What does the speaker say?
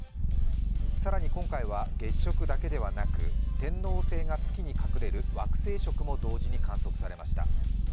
更に今回は月食だけではなく、天王星が月に隠れる惑星食も同時に観測されました。